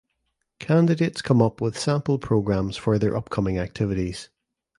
Candidates come up with sample programs for their upcoming activities.